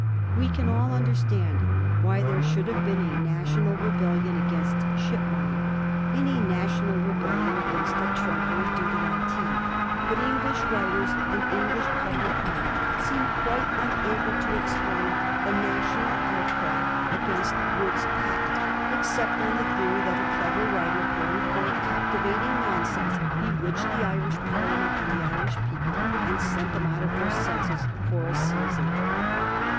We can all understand why there should have been a national rebellion against ship money, and a national rebellion against a trumpery duty on tea, but English writers, and English public men, seem quite unable to explain the national outcry against Wood's patent, except on Digiti zed by Google 1724 THE DRAPIER'S VICTORY. 325 the theory that a clever writer, pouring forth capti vating nonsense, bewitched the Irish Parliament and the Irish people, and sent them put of their senses for a season.